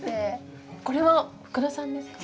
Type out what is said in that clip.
これは福田さんですか？